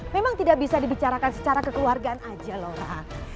memang tidak bisa dibicarakan secara kekeluargaan aja loh